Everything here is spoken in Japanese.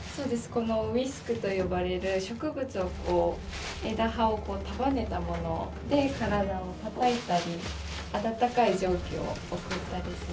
このウィスクと呼ばれる植物をこう枝葉を束ねたもので体をたたいたりあたたかい蒸気を送ったりする。